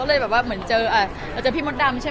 สี่หกปี